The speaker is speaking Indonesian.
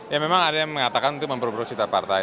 ya memang ada yang mengatakan untuk memperburuk citra partai